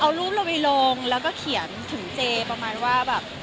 เอารูปเราไปลงแล้วก็เขียนถึงเจประมาณว่าแบบ